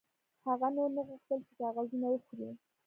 هغه نور نه غوښتل چې کاغذونه وخوري